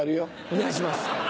お願いします。